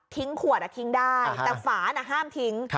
ขวดทิ้งได้แต่ฝาน่ะห้ามทิ้ง